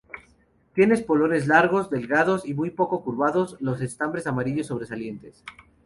Tiene espolones largos, delgados y muy poco curvados, los estambres amarillos sobresalientes.